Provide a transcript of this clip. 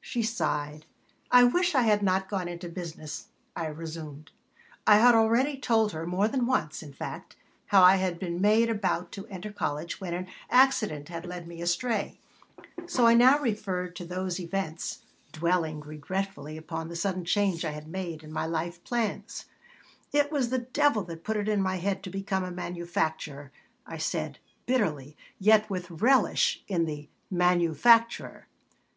She sighed "I wish I had not gone into business," I resumed I had already told her, more than once, in fact, how I had been about to enter college when an accident had led me astray; so I now referred to those events, dwelling regretfully upon the sudden change I had made in my life plans "It was the devil that put it in my head to become a manufacturer," I said, bitterly, yet with relish in the "manufacturer."